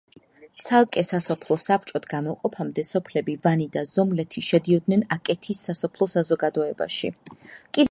ცალკე სასოფლო საბჭოდ გამოყოფამდე სოფლები ვანი და ზომლეთი შედიოდნენ აკეთის სასოფლო საზოგადოებაში.